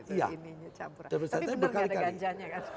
tapi benar nggak ada ganjanya kan